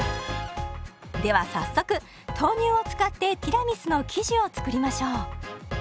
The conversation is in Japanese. では早速豆乳を使ってティラミスの生地を作りましょう。